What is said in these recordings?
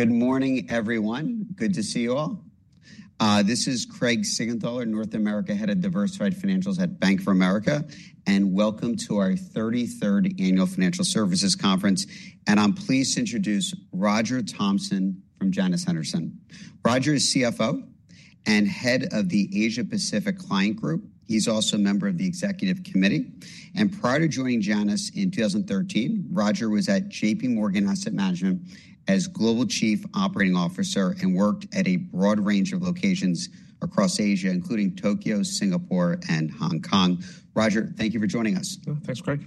Good morning, everyone. Good to see you all. This is Craig Siegenthaler, North America Head of Diversified Financials at Bank of America, and welcome to our 33rd Annual Financial Services Conference. I'm pleased to introduce Roger Thompson from Janus Henderson. Roger is CFO and Head of the Asia-Pacific Client Group. He's also a member of the Executive Committee. Prior to joining Janus in 2013, Roger was at JPMorgan Asset Management as Global Chief Operating Officer and worked at a broad range of locations across Asia, including Tokyo, Singapore, and Hong Kong. Roger, thank you for joining us. Thanks, Craig.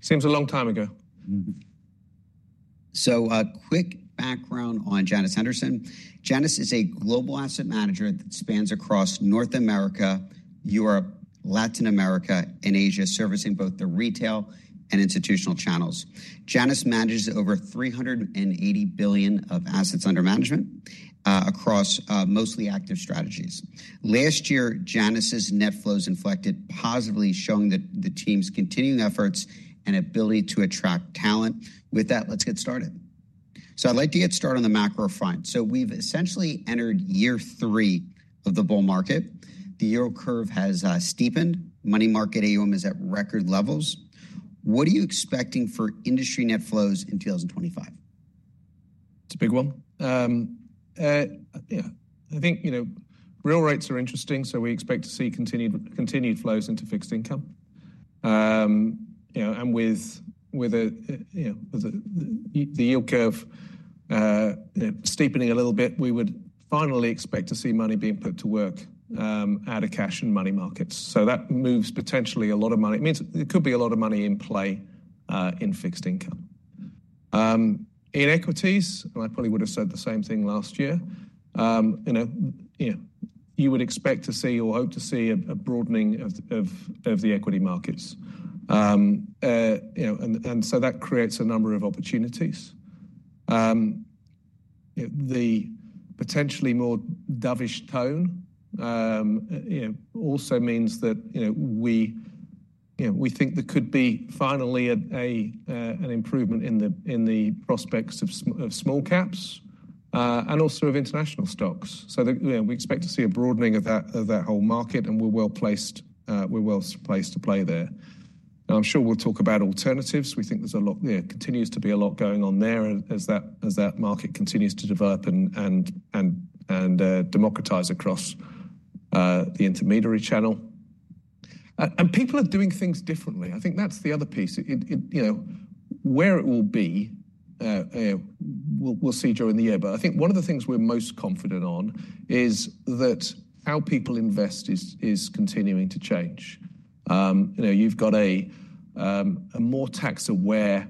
Seems a long time ago. Quick background on Janus Henderson: Janus is a global asset manager that spans across North America, Europe, Latin America, and Asia, servicing both the retail and institutional channels. Janus manages over $380 billion of assets under management across mostly active strategies. Last year, Janus's net flows inflected positively, showing the team's continuing efforts and ability to attract talent. With that, let's get started. I'd like to get started on the macro front. We've essentially entered year three of the bull market. The yield curve has steepened. Money market AUM is at record levels. What are you expecting for industry net flows in 2025? It's a big one. I think real rates are interesting, so we expect to see continued flows into fixed income. With the yield curve steepening a little bit, we would finally expect to see money being put to work out of cash and money markets. That moves potentially a lot of money. It could be a lot of money in play in fixed income. In equities, I probably would have said the same thing last year. You would expect to see or hope to see a broadening of the equity markets. That creates a number of opportunities. The potentially more dovish tone also means that we think there could be finally an improvement in the prospects of small caps and also of international stocks. We expect to see a broadening of that whole market, and we're well placed to play there. I'm sure we'll talk about alternatives. We think there's a lot that continues to be a lot going on there as that market continues to develop and democratize across the intermediary channel. People are doing things differently. I think that's the other piece. Where it will be, we'll see during the year. But I think one of the things we're most confident on is that how people invest is continuing to change. You've got a more tax-aware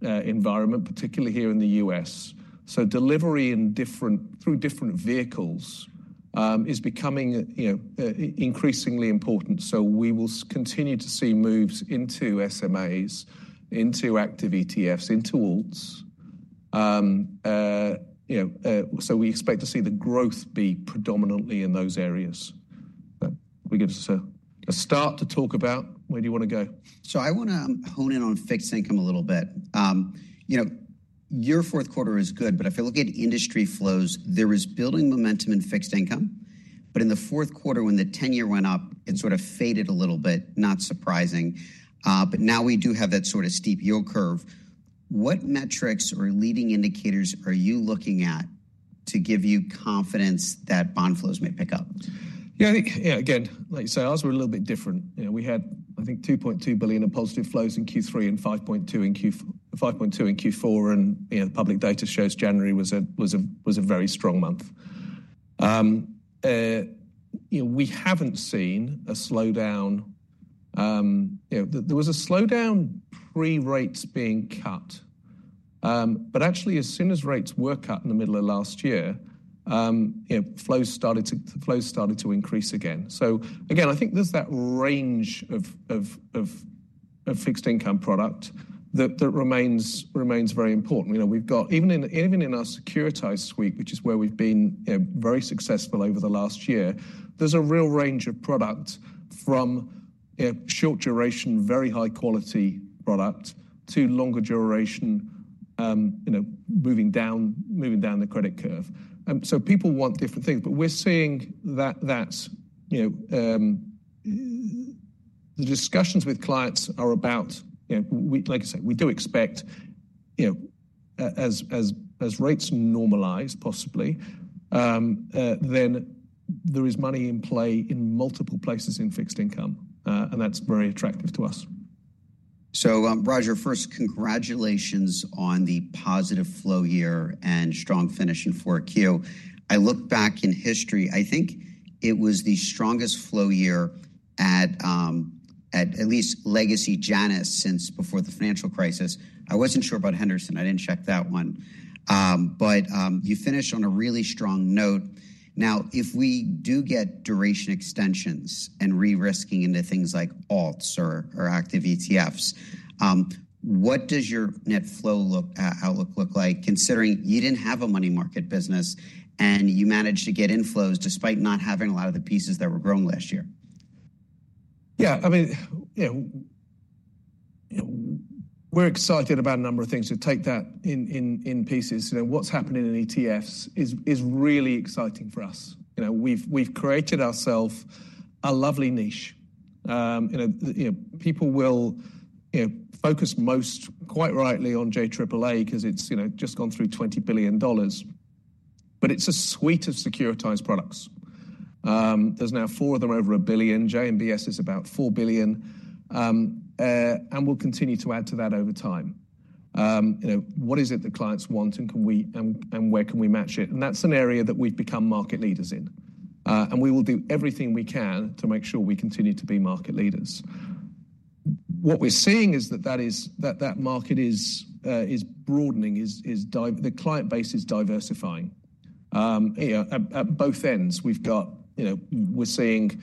environment, particularly here in the U.S. Delivery through different vehicles is becoming increasingly important. We will continue to see moves into SMAs, into active ETFs, into alts. We expect to see the growth be predominantly in those areas. That gives us a start to talk about where do you want to go? I want to hone in on fixed income a little bit. Your fourth quarter is good, but if you look at industry flows, there was building momentum in fixed income. But in the fourth quarter, when the 10-year went up, it sort of faded a little bit, not surprising. But now we do have that sort of steep yield curve. What metrics or leading indicators are you looking at to give you confidence that bond flows may pick up? Again, like you say, ours were a little bit different. We had, I think, $2.2 billion in positive flows in Q3 and $5.2 billion in Q4. Public data shows January was a very strong month. We haven't seen a slowdown. There was a slowdown pre-rates being cut. But actually, as soon as rates were cut in the middle of last year, flows started to increase again. Again, I think there's that range of fixed income product that remains very important. Even in our securitized suite, which is where we've been very successful over the last year, there's a real range of product from short duration, very high-quality product to longer duration, moving down the credit curve. People want different things, but we're seeing that the discussions with clients are about, like I say, we do expect as rates normalize, possibly, then there is money in play in multiple places in fixed income, and that's very attractive to us. Roger, first, congratulations on the positive flow year and strong finish in 4Q. I look back in history. I think it was the strongest flow year at least legacy Janus since before the financial crisis. I wasn't sure about Henderson. I didn't check that one, but you finished on a really strong note. Now, if we do get duration extensions and re-risking into things like alts or active ETFs, what does your net flow outlook look like, considering you didn't have a money market business and you managed to get inflows despite not having a lot of the pieces that were grown last year? Yeah. We're excited about a number of things. Take that in pieces. What's happening in ETFs is really exciting for us. We've created ourselves a lovely niche. People will focus most quite rightly on JAAA because it's just gone through $20 billion. But it's a suite of securitized products. There's now four of them over a billion. JMBS is about $4 billion. We'll continue to add to that over time. What is it that clients want and where can we match it? That's an area that we've become market leaders in. We will do everything we can to make sure we continue to be market leaders. What we're seeing is that that market is broadening. The client base is diversifying at both ends. We're seeing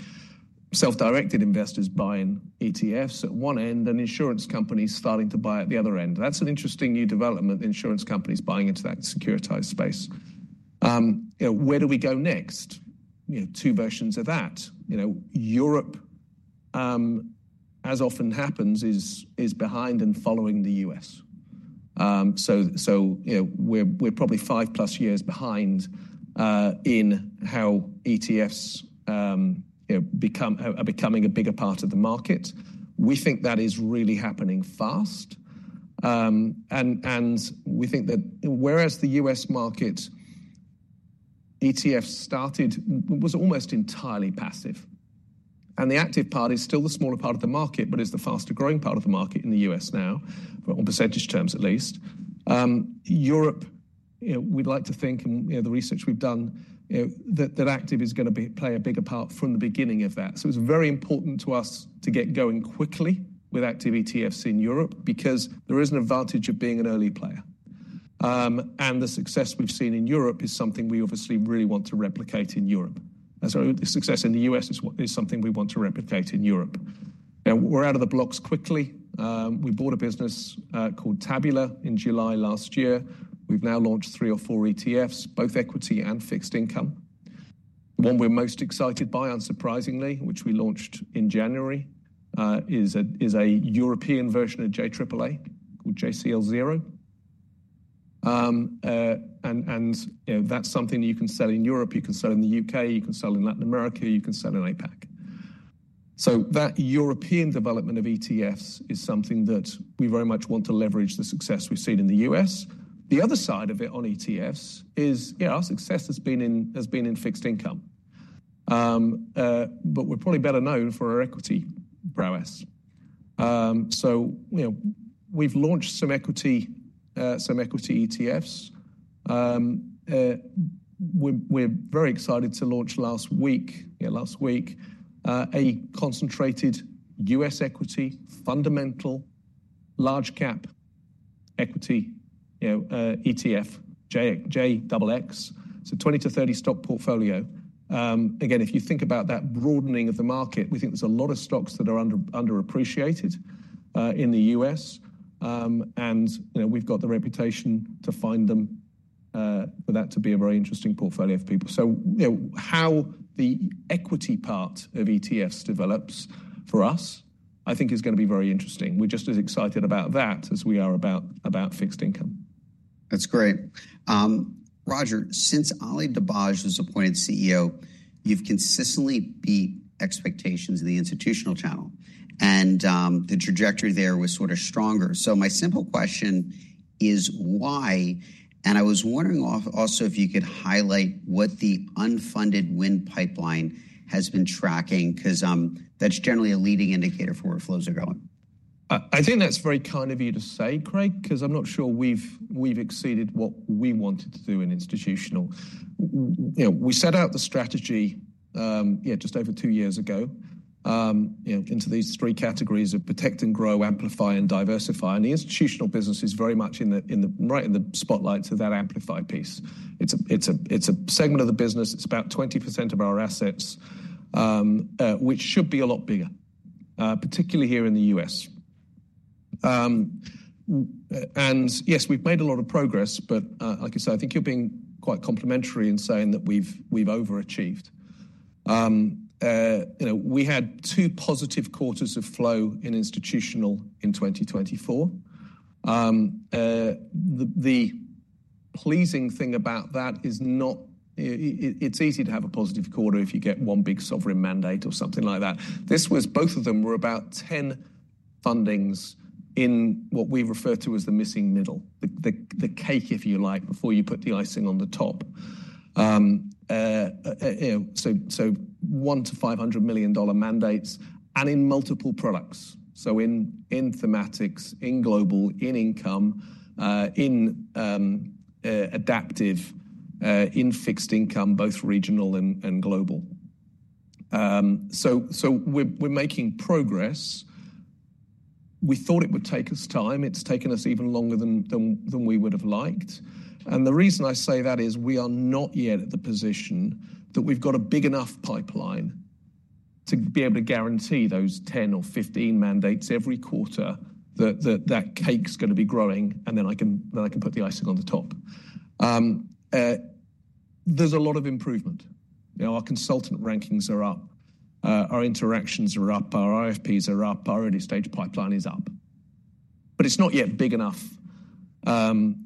self-directed investors buying ETFs at one end and insurance companies starting to buy at the other end. That's an interesting new development, insurance companies buying into that securitized space. Where do we go next? Two versions of that. Europe, as often happens, is behind and following the U.S. We're probably five plus years behind in how ETFs are becoming a bigger part of the market. We think that is really happening fast. We think that whereas the U.S. market, ETFs started, was almost entirely passive. The active part is still the smaller part of the market, but it's the faster growing part of the market in the U.S. now, on percentage terms at least. Europe, we'd like to think, and the research we've done, that active is going to play a bigger part from the beginning of that. It was very important to us to get going quickly with active ETFs in Europe because there is an advantage of being an early player. The success we've seen in Europe is something we obviously really want to replicate in Europe. The success in the U.S. is something we want to replicate in Europe. We're out of the blocks quickly. We bought a business called Tabula in July last year. We've now launched three or four ETFs, both equity and fixed income. The one we're most excited by, unsurprisingly, which we launched in January, is a European version of JAAA called JCL0. That's something you can sell in Europe, you can sell in the U.K., you can sell in Latin America, you can sell in APAC. That European development of ETFs is something that we very much want to leverage the success we've seen in the U.S. The other side of it on ETFs is our success has been in fixed income. But we're probably better known for our equity prowess. We've launched some equity ETFs. We're very excited to launch last week a concentrated U.S. equity fundamental large-cap equity ETF, JXX, a 20- to 30-stock portfolio. Again, if you think about that broadening of the market, we think there's a lot of stocks that are underappreciated in the U.S. We've got the reputation to find them for that to be a very interesting portfolio for people. How the equity part of ETFs develops for us, I think, is going to be very interesting. We're just as excited about that as we are about fixed income. That's great. Roger, since Ali Dibadj was appointed CEO, you've consistently beat expectations of the institutional channel. The trajectory there was sort of stronger. My simple question is why? I was wondering also if you could highlight what the unfunded win pipeline has been tracking, because that's generally a leading indicator for where flows are going. I think that's very kind of you to say, Craig, because I'm not sure we've exceeded what we wanted to do in institutional. We set out the strategy just over two years ago into these three categories of protect and grow, amplify and diversify. The institutional business is very much in the spotlight of that amplify piece. It's a segment of the business. It's about 20% of our assets, which should be a lot bigger, particularly here in the U.S. Yes, we've made a lot of progress, but like I say, I think you're being quite complimentary in saying that we've overachieved. We had two positive quarters of flow in institutional in 2024. The pleasing thing about that is not it's easy to have a positive quarter if you get one big sovereign mandate or something like that. Both of them were about 10 fundings in what we refer to as the missing middle, the cake, if you like, before you put the icing on the top. $1 million-$500 million mandates and in multiple products, in thematics, in global, in income, in adaptive, in fixed income, both regional and global. We're making progress. We thought it would take us time. It's taken us even longer than we would have liked. The reason I say that is we are not yet at the position that we've got a big enough pipeline to be able to guarantee those 10 or 15 mandates every quarter, that that cake's going to be growing, and then I can put the icing on the top. There's a lot of improvement. Our consultant rankings are up, our interactions are up, our RFPs are up, our early stage pipeline is up. But it's not yet big enough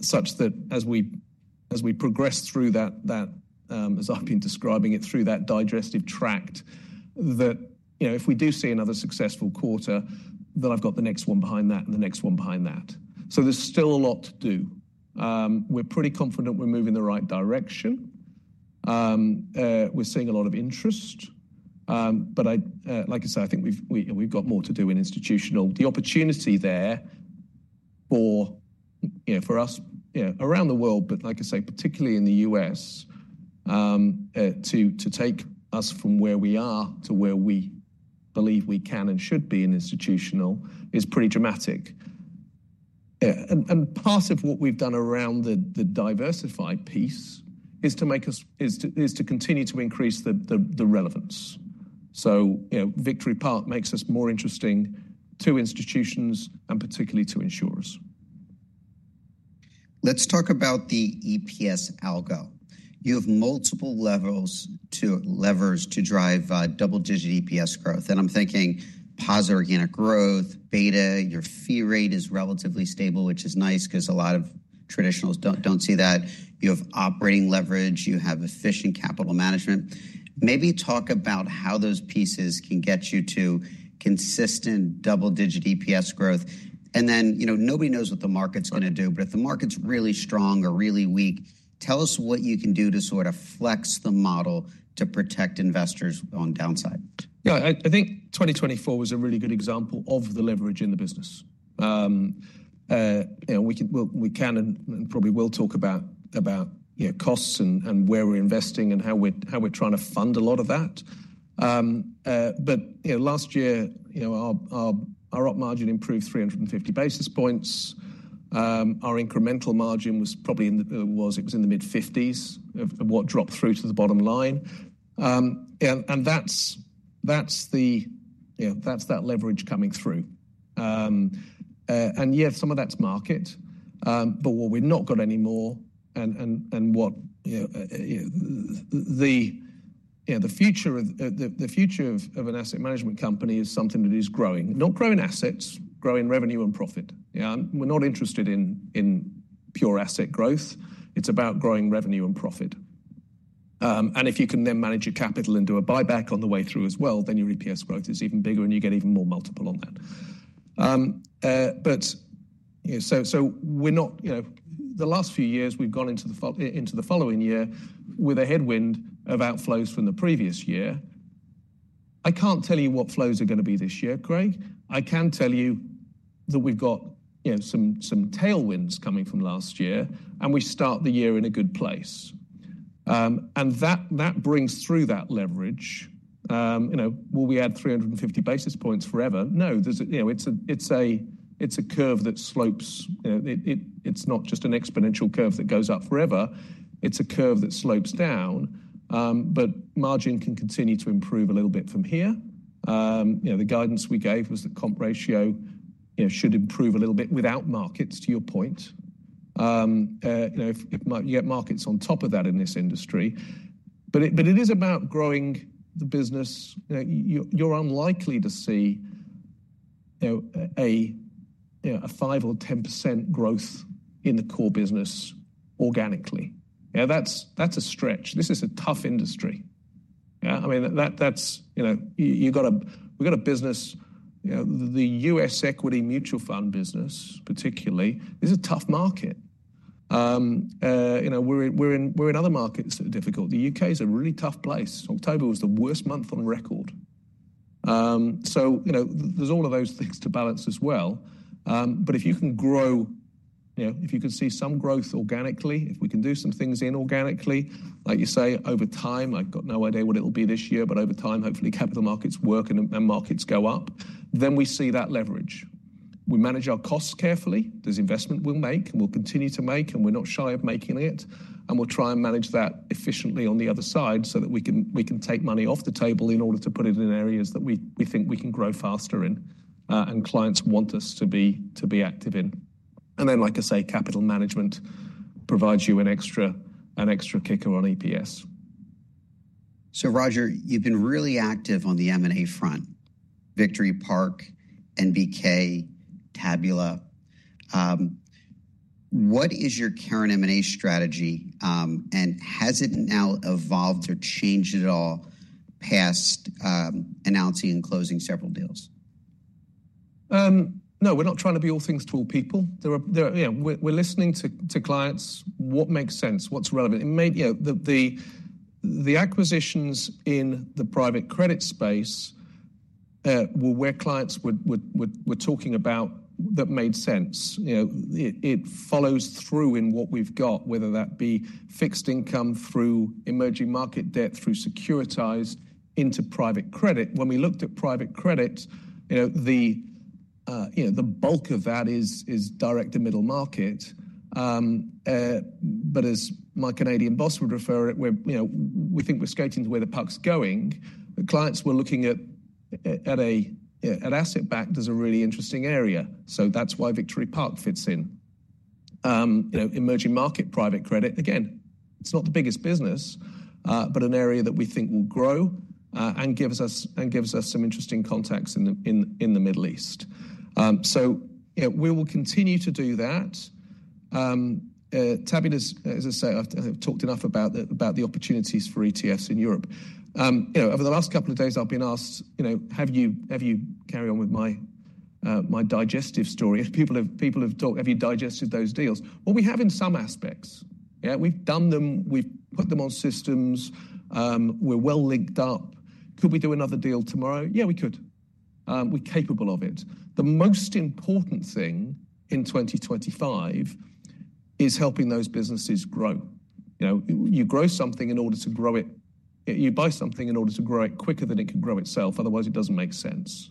such that as we progress through that, as I've been describing it through that digestive tract, that if we do see another successful quarter, then I've got the next one behind that and the next one behind that. There's still a lot to do. We're pretty confident we're moving in the right direction. We're seeing a lot of interest. But like I say, I think we've got more to do in institutional. The opportunity there for us around the world, but like I say, particularly in the U.S., to take us from where we are to where we believe we can and should be in institutional is pretty dramatic. Part of what we've done around the diversification piece is to continue to increase the relevance. Victory Park makes us more interesting to institutions and particularly to insurers. Let's talk about the EPS algo. You have multiple levers to drive double-digit EPS growth. I'm thinking positive organic growth, beta, your fee rate is relatively stable, which is nice because a lot of traditionals don't see that. You have operating leverage, you have efficient capital management. Maybe talk about how those pieces can get you to consistent double-digit EPS growth. Then nobody knows what the market's going to do. But if the market's really strong or really weak, tell us what you can do to sort of flex the model to protect investors on downside. Yeah. I think 2024 was a really good example of the leverage in the business. We can and probably will talk about costs and where we're investing and how we're trying to fund a lot of that. But last year, our operating margin improved 350 basis points. Our incremental margin was probably in the mid-50s of what dropped through to the bottom line. That's that leverage coming through. Yeah, some of that's market. But what we've not got anymore and what the future of an asset management company is something that is growing, not growing assets, growing revenue and profit. We're not interested in pure asset growth. It's about growing revenue and profit. If you can then manage your capital and do a buyback on the way through as well, then your EPS growth is even bigger and you get even more multiple on that. The last few years, we've gone into the following year with a headwind of outflows from the previous year. I can't tell you what flows are going to be this year, Craig. I can tell you that we've got some tailwinds coming from last year and we start the year in a good place. That brings through that leverage. Will we add 350 basis points forever? No. It's a curve that slopes. It's not just an exponential curve that goes up forever. It's a curve that slopes down. But margin can continue to improve a little bit from here. The guidance we gave was that comp ratio should improve a little bit without markets, to your point. You get markets on top of that in this industry. But it is about growing the business. You're unlikely to see a 5% or 10% growth in the core business organically. That's a stretch. This is a tough industry. We've got a business, the U.S. equity mutual fund business particularly, this is a tough market. We're in other markets that are difficult. The U.K. is a really tough place. October was the worst month on record. There's all of those things to balance as well, but if you can grow, if you can see some growth organically, if we can do some things inorganically, like you say, over time, I've got no idea what it'll be this year, but over time, hopefully capital markets work and markets go up, then we see that leverage. We manage our costs carefully. There's investment we'll make and we'll continue to make and we're not shy of making it. We'll try and manage that efficiently on the other side so that we can take money off the table in order to put it in areas that we think we can grow faster in and clients want us to be active in. Then, like I say, capital management provides you an extra kicker on EPS. Roger, you've been really active on the M&A front, Victory Park, NBK, Tabula. What is your current M&A strategy and has it now evolved or changed at all past announcing and closing several deals? No, we're not trying to be all things to all people. We're listening to clients, what makes sense, what's relevant. The acquisitions in the private credit space were where clients were talking about that made sense. It follows through in what we've got, whether that be fixed income through emerging market debt, through securitized into private credit. When we looked at private credit, the bulk of that is direct to middle market. But as my Canadian boss would refer it, we think we're skating to where the puck's going. The clients were looking at asset backed as a really interesting area. That's why Victory Park fits in. Emerging market private credit, again, it's not the biggest business, but an area that we think will grow and gives us some interesting contacts in the Middle East. We will continue to do that. Tabula, as I say, I've talked enough about the opportunities for ETFs in Europe. Over the last couple of days, I've been asked, have you carried on with my digestion story? Have you digested those deals? We have in some aspects. We've done them, we've put them on systems, we're well linked up. Could we do another deal tomorrow? Yeah, we could. We're capable of it. The most important thing in 2025 is helping those businesses grow. You grow something in order to grow it. You buy something in order to grow it quicker than it can grow itself, otherwise it doesn't make sense.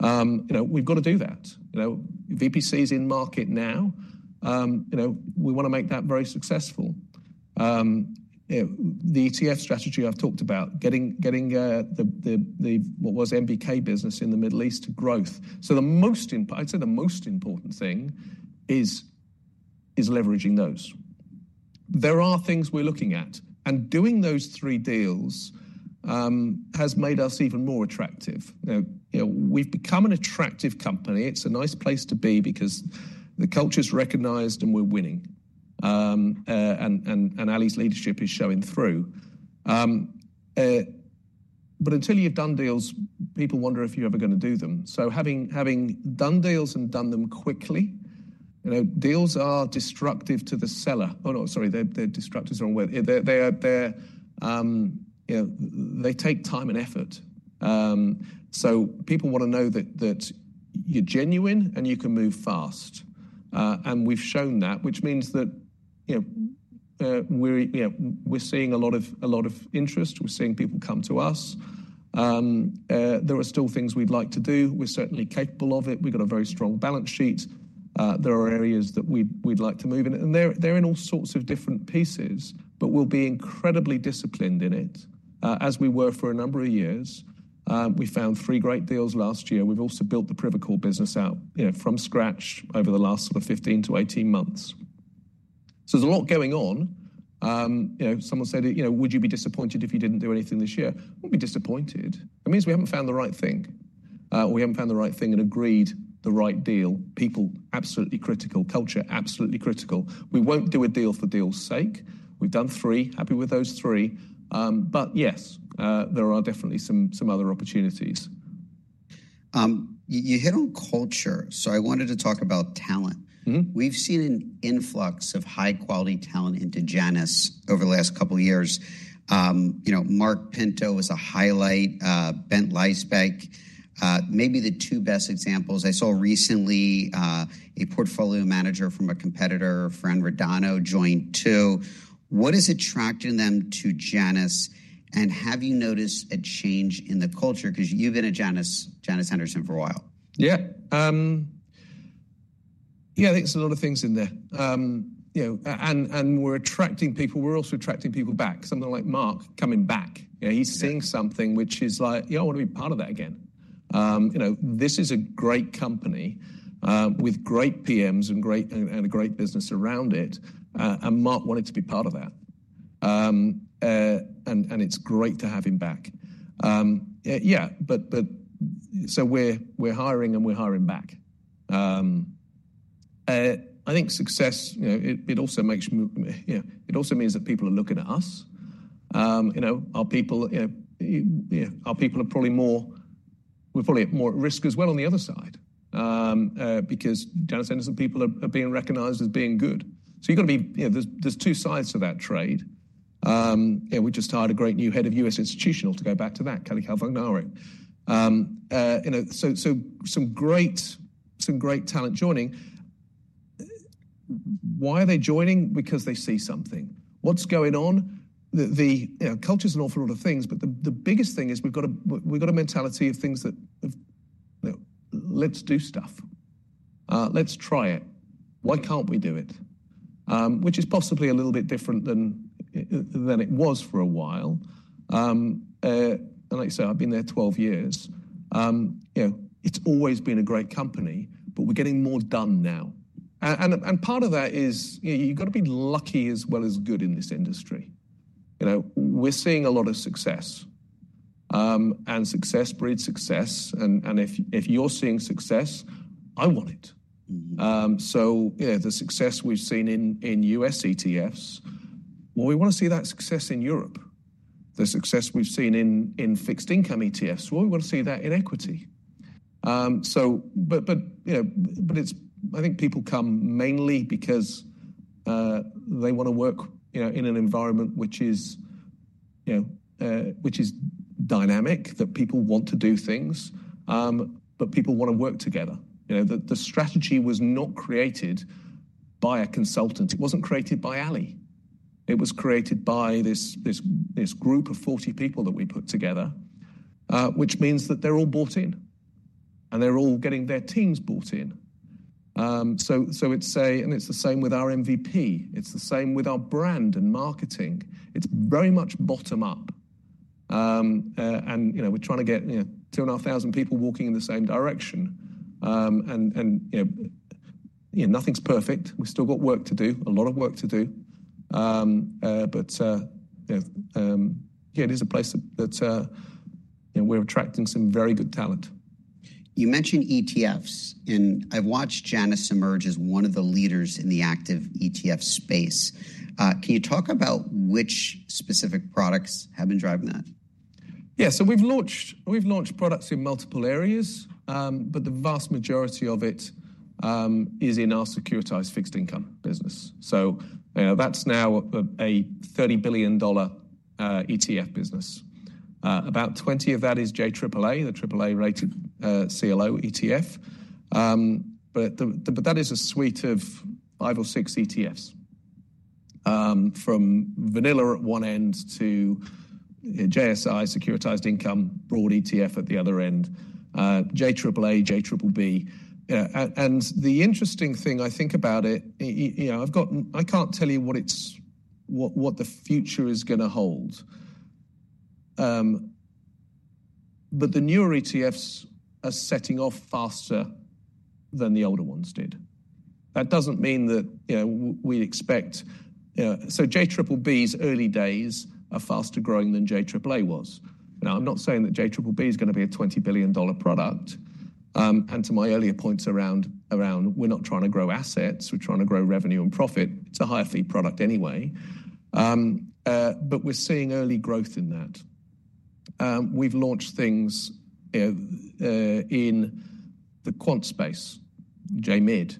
We've got to do that. VPC is in market now. We want to make that very successful. The ETF strategy I've talked about, getting what was NBK business in the Middle East to grow. I'd say the most important thing is leveraging those. There are things we're looking at, and doing those three deals has made us even more attractive. We've become an attractive company. It's a nice place to be because the culture's recognized and we're winning and Ali's leadership is showing through. But until you've done deals, people wonder if you're ever going to do them. Having done deals and done them quickly, deals are destructive to the seller. Oh, no, sorry, they're destructive to the seller. They take time and effort. People want to know that you're genuine and you can move fast. We've shown that, which means that we're seeing a lot of interest. We're seeing people come to us. There are still things we'd like to do. We're certainly capable of it. We've got a very strong balance sheet. There are areas that we'd like to move in. They're in all sorts of different pieces, but we'll be incredibly disciplined in it as we were for a number of years. We found three great deals last year. We've also built the Privacore business out from scratch over the last sort of 15 months-18 months. There's a lot going on. Someone said, "Would you be disappointed if you didn't do anything this year?" We'll be disappointed. It means we haven't found the right thing or we haven't found the right thing and agreed the right deal. People absolutely critical, culture absolutely critical. We won't do a deal for deal's sake. We've done three, happy with those three, but yes, there are definitely some other opportunities. You hit on culture. I wanted to talk about talent. We've seen an influx of high-quality talent into Janus over the last couple of years. Marc Pinto is a highlight, Bent Lystbaek, maybe the two best examples. I saw recently a portfolio manager from a competitor, Fran Radano joined too. What is attracting them to Janus and have you noticed a change in the culture? Because you've been at Janus Henderson for a while. Yeah. Yeah, I think there's a lot of things in there. We're attracting people, we're also attracting people back. Something like Marc coming back. He's seeing something which is like, yeah, I want to be part of that again. This is a great company with great PMs and a great business around it and Marc wanted to be part of that. It's great to have him back. Yeah. We're hiring and we're hiring back. I think success, it also means that people are looking at us. Our people are probably more at risk as well on the other side because Janus Henderson people are being recognized as being good. You've got to be, there's two sides to that trade. We just hired a great new head of U.S. institutional to go back to that, Kelly Cavagnaro. Some great talent joining. Why are they joining? Because they see something. What's going on? The culture's an awful lot of things, but the biggest thing is we've got a mentality of things that let's do stuff, let's try it, why can't we do it? Which is possibly a little bit different than it was for a while. Like I say, I've been there 12 years. It's always been a great company, but we're getting more done now. Part of that is you've got to be lucky as well as good in this industry. We're seeing a lot of success and success breeds success. If you're seeing success, I want it. The success we've seen in U.S. ETFs, well, we want to see that success in Europe. The success we've seen in fixed income ETFs, well, we want to see that in equity. But I think people come mainly because they want to work in an environment which is dynamic, that people want to do things, but people want to work together. The strategy was not created by a consultant. It wasn't created by Ali. It was created by this group of 40 people that we put together, which means that they're all bought in and they're all getting their teams bought in. It's the same with our MVP. It's the same with our brand and marketing. It's very much bottom up. We're trying to get 2,500 people walking in the same direction. Nothing's perfect. We've still got work to do, a lot of work to do. But yeah, it is a place that we're attracting some very good talent. You mentioned ETFs and I've watched Janus emerge as one of the leaders in the active ETF space. Can you talk about which specific products have been driving that? Yeah. We've launched products in multiple areas, but the vast majority of it is in our securitized fixed income business. That's now a $30 billion ETF business. About $20 billion of that is JAAA, the AAA rated CLO ETF. But that is a suite of five or six ETFs from vanilla at one end to JSI, securitized income broad ETF at the other end, JAAA, JBBB. The interesting thing I think about it, I can't tell you what the future is going to hold. But the newer ETFs are setting off faster than the older ones did. That doesn't mean that we expect JBBB's early days are faster growing than JAAA was. I'm not saying that JBBB is going to be a $20 billion product. To my earlier points around, we're not trying to grow assets, we're trying to grow revenue and profit. It's a higher fee product anyway. We're seeing early growth in that. We've launched things in the quant space, JMID,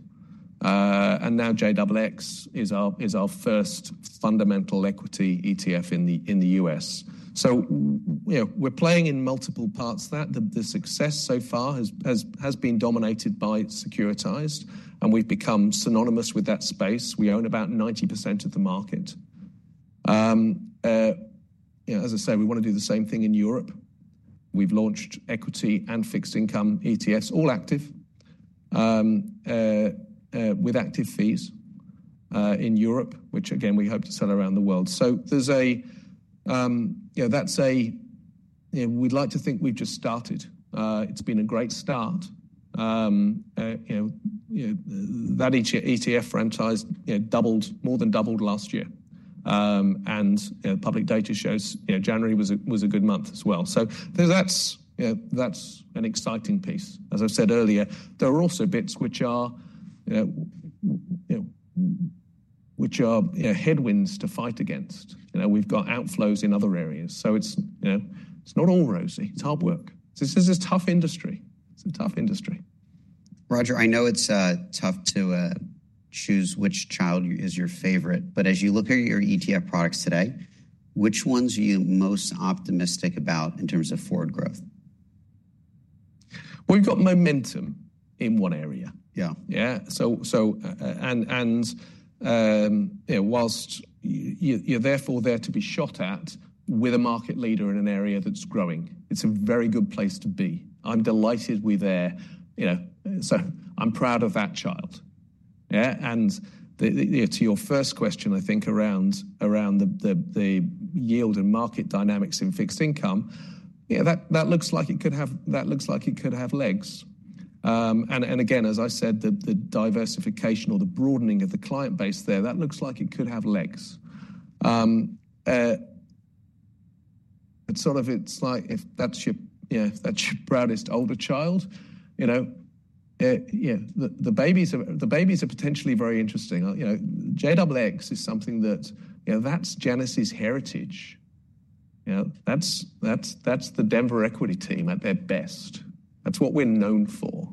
and now JXX is our first fundamental equity ETF in the U.S. We're playing in multiple parts of that. The success so far has been dominated by securitized and we've become synonymous with that space. We own about 90% of the market. As I say, we want to do the same thing in Europe. We've launched equity and fixed income ETFs, all active with active fees in Europe, which again, we hope to sell around the world. That's a, we'd like to think we've just started. It's been a great start. That ETF franchise doubled, more than doubled last year. Public data shows January was a good month as well. That's an exciting piece. As I said earlier, there are also bits which are headwinds to fight against. We've got outflows in other areas. It's not all rosy. It's hard work. This is a tough industry. It's a tough industry. Roger, I know it's tough to choose which child is your favorite, but as you look at your ETF products today, which ones are you most optimistic about in terms of forward growth? We've got momentum in one area. Yeah, and whilst you're therefore there to be shot at with a market leader in an area that's growing, it's a very good place to be. I'm delighted we're there. I'm proud of that child. To your first question, I think around the yield and market dynamics in fixed income, that looks like it could have legs. Again, as I said, the diversification or the broadening of the client base there, that looks like it could have legs. It's like if that's your proudest older child. The babies are potentially very interesting. JXX is something that, that's Janus's heritage. That's the Denver equity team at their best. That's what we're known for.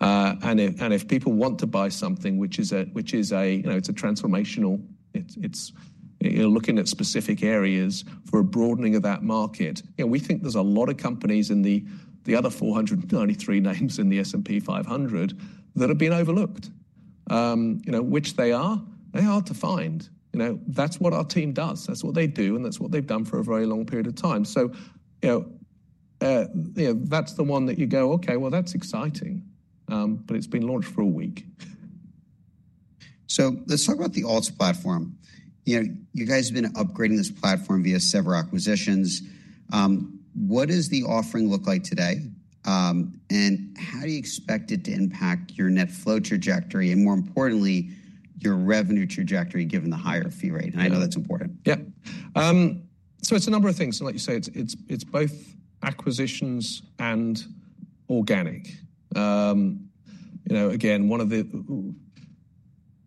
If people want to buy something which is a transformational, it's looking at specific areas for a broadening of that market. We think there's a lot of companies in the other 433 names in the S&P 500 that have been overlooked. Which are they? They are tough to find. That's what our team does. That's what they do and that's what they've done for a very long period of time. That's the one that you go, okay, well, that's exciting, but it's been launched for a week. Let's talk about the alts platform. You guys have been upgrading this platform via several acquisitions. What does the offering look like today? How do you expect it to impact your net flow trajectory and more importantly, your revenue trajectory given the higher fee rate? I know that's important. Yeah. It's a number of things. Like you say, it's both acquisitions and organic. Again,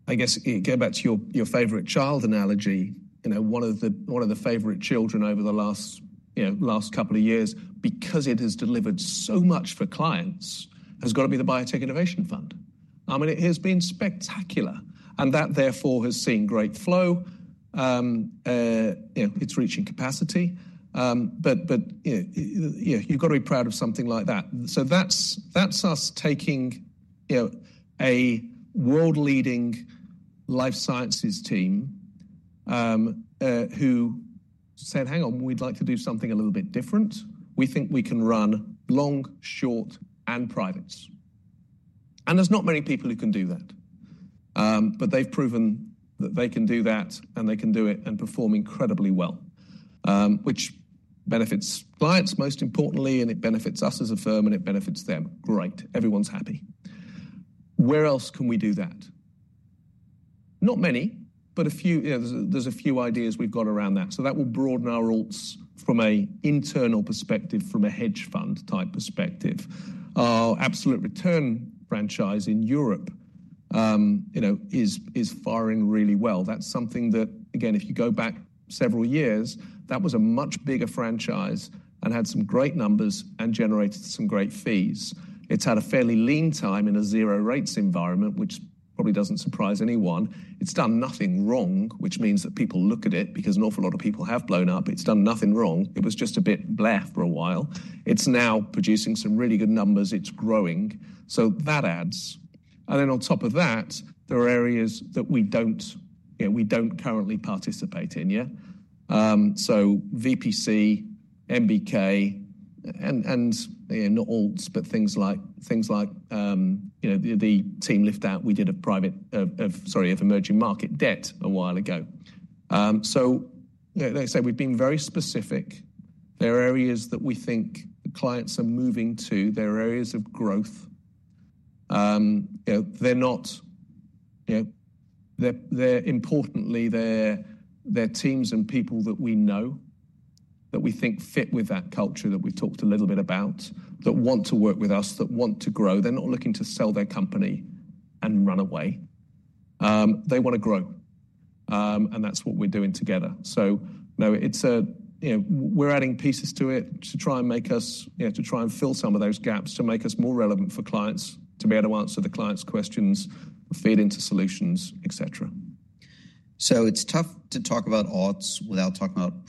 I guess go back to your favorite child analogy. One of the favorite children over the last couple of years because it has delivered so much for clients has got to be the Biotech Innovation Fund. It has been spectacular and that therefore has seen great flow. It's reaching capacity. But you've got to be proud of something like that. That's us taking a world-leading life sciences team who said, hang on, we'd like to do something a little bit different. We think we can run long, short, and privates. There's not many people who can do that, but they've proven that they can do that and they can do it and perform incredibly well, which benefits clients most importantly and it benefits us as a firm and it benefits them. Great. Everyone's happy. Where else can we do that? Not many, but there's a few ideas we've got around that. That will broaden our alts from an internal perspective, from a hedge fund type perspective. Our absolute return franchise in Europe is firing really well. That's something that, again, if you go back several years, that was a much bigger franchise and had some great numbers and generated some great fees. It's had a fairly lean time in a zero rates environment, which probably doesn't surprise anyone. It's done nothing wrong, which means that people look at it because an awful lot of people have blown up. It's done nothing wrong. It was just a bit blah for a while. It's now producing some really good numbers. It's growing. That adds. Then on top of that, there are areas that we don't currently participate in yet. VPC, NBK, and not alts, but things like the team lift out. We did a private emerging market debt a while ago. Like I say, we've been very specific. There are areas that we think clients are moving to. There are areas of growth. They're, importantly, they're teams and people that we know that we think fit with that culture that we've talked a little bit about, that want to work with us, that want to grow. They're not looking to sell their company and run away. They want to grow and that's what we're doing together. We're adding pieces to it to try and make us, to try and fill some of those gaps, to make us more relevant for clients, to be able to answer the clients' questions, feed into solutions, et cetera. It's tough to talk about alts without talking about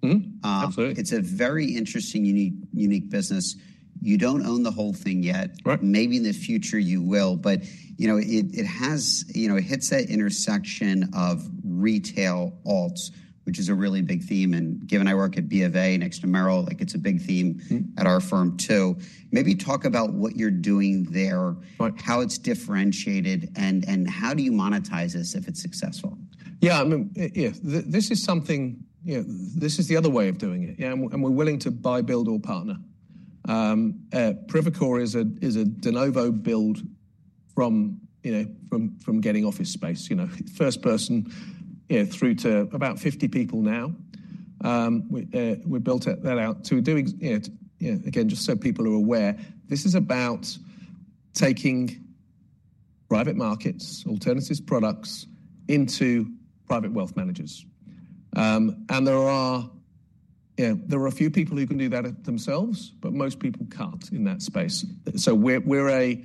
Privacore. Absolutely. It's a very interesting, unique business. You don't own the whole thing yet. Maybe in the future you will, but it hits that intersection of retail alts, which is a really big theme. Given I work at BofA next to Merrill, it's a big theme at our firm too. Maybe talk about what you're doing there, how it's differentiated, and how do you monetize this if it's successful? Yeah. This is something, this is the other way of doing it. We're willing to buy, build, or partner. Privacore is a de novo build from getting office space, first person through to about 50 people now. We built that out to do, again, just so people are aware. This is about taking private markets, alternatives, products into private wealth managers. There are a few people who can do that themselves, but most people can't in that space. We're a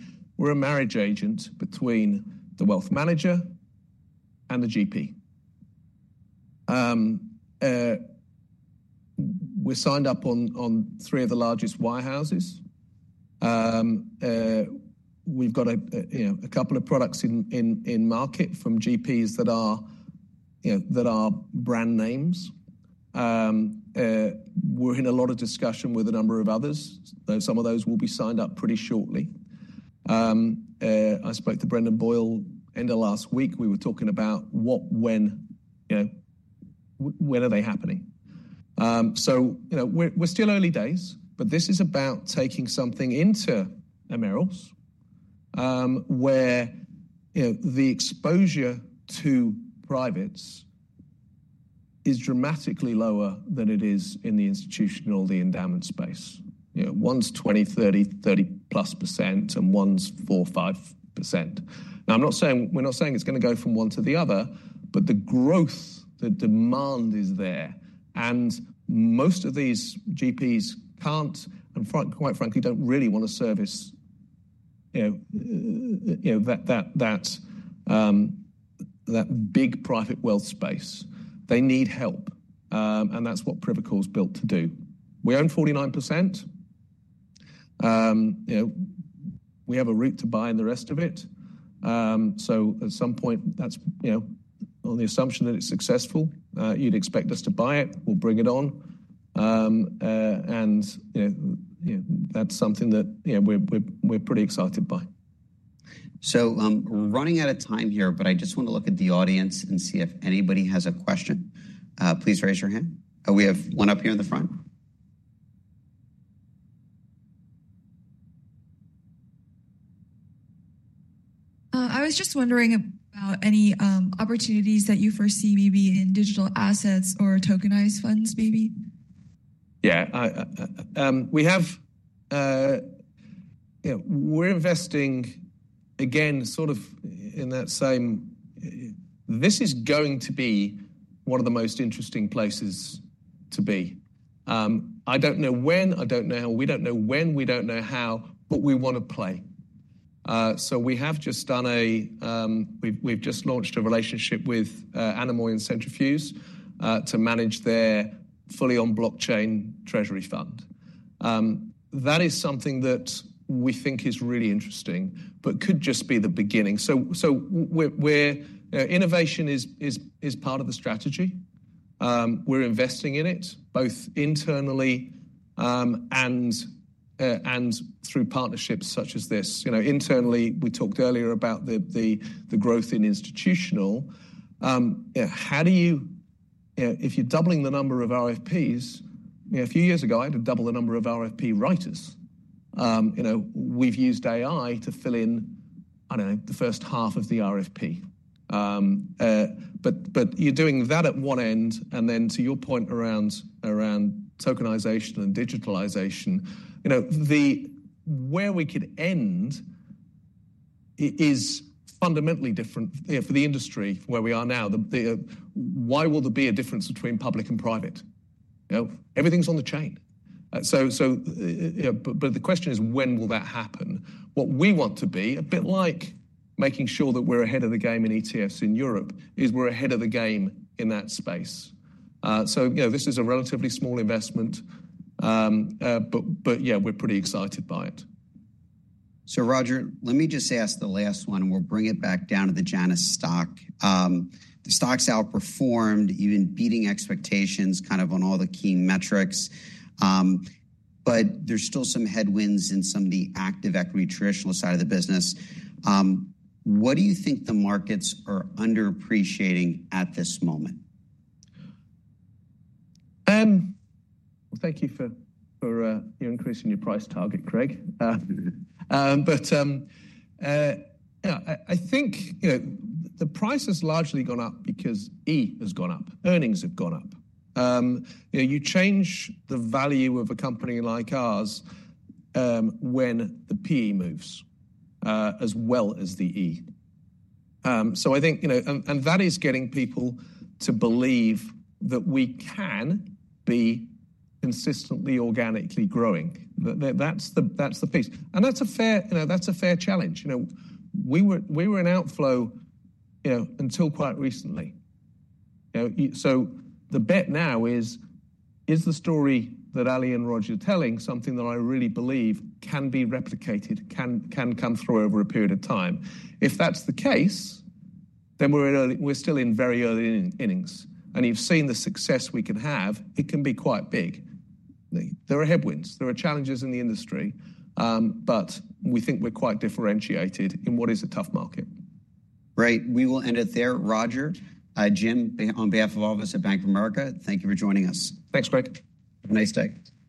marriage agent between the wealth manager and the GP. We're signed up on three of the largest warehouses. We've got a couple of products in market from GPs that are brand names. We're in a lot of discussion with a number of others. Some of those will be signed up pretty shortly. I spoke to Brendan Boyle, end of last week. We were talking about what, when, when are they happening? We're still early days, but this is about taking something into a Merrill's where the exposure to privates is dramatically lower than it is in the institutional, the endowment space. One's 20%, 30%, 30+plus% and one's 4%, 5%. We're not saying it's going to go from one to the other, but the growth, the demand is there. Most of these GPs can't, and quite frankly, don't really want to service that big private wealth space. They need help and that's what Privacore is built to do. We own 49%. We have a right to buy in the rest of it. At some point, on the assumption that it's successful, you'd expect us to buy it. We'll bring it on. That's something that we're pretty excited by. Running out of time here, but I just want to look at the audience and see if anybody has a question. Please raise your hand. We have one up here in the front. I was just wondering about any opportunities that you foresee maybe in digital assets or tokenized funds, maybe? Yeah. We're investing, again, sort of in that same. This is going to be one of the most interesting places to be. I don't know when, I don't know how, we don't know when, we don't know how, but we want to play. We have just done a, we've just launched a relationship with Anemoy and Centrifuge to manage their fully on blockchain treasury fund. That is something that we think is really interesting, but could just be the beginning. Innovation is part of the strategy. We're investing in it both internally and through partnerships such as this. Internally, we talked earlier about the growth in institutional. If you're doubling the number of RFPs, a few years ago, I had to double the number of RFP writers. We've used AI to fill in the first half of the RFP. But you're doing that at one end and then to your point around tokenization and digitalization, where we could end is fundamentally different for the industry where we are now. Why will there be a difference between public and private? Everything's on the chain. But the question is, when will that happen? What we want to be a bit like making sure that we're ahead of the game in ETFs in Europe is we're ahead of the game in that space. This is a relatively small investment, but yeah, we're pretty excited by it. Roger, let me just ask the last one and we'll bring it back down to the Janus stock. The stock's outperformed, even beating expectations kind of on all the key metrics, but there's still some headwinds in some of the active equity traditional side of the business. What do you think the markets are underappreciating at this moment? Thank you for increasing your price target, Craig. I think the price has largely gone up because E has gone up. Earnings have gone up. You change the value of a company like ours when the P moves as well as the E. I think that is getting people to believe that we can be consistently organically growing. That's the piece. That's a fair challenge. We were in outflow until quite recently. The bet now is, is the story that Ali and Roger are telling something that I really believe can be replicated, can come through over a period of time? If that's the case, then we're still in very early innings. You've seen the success we can have. It can be quite big. There are headwinds. There are challenges in the industry, but we think we're quite differentiated in what is a tough market. Great. We will end it there. Roger, Jim, on behalf of all of us at Bank of America, thank you for joining us. Thanks, Craig. Have a nice day.